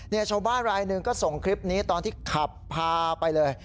ชาวบ้านรายหนึ่งก็ส่งคลิปนี้ตอนที่ขับพาไปเลย